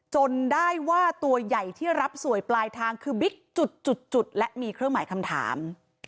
จนได้ว่าตัวใหญ่ที่รับสวยปลายทางคือบิ๊กจุดและมีเครื่องหมายคำถาม